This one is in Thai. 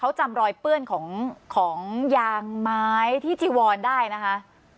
เขาจำรอยเปื้อนของยางไม้ที่จีวอนได้นะคะ